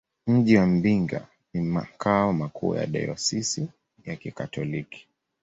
Mji wa Mbinga ni makao makuu ya dayosisi ya Kikatoliki.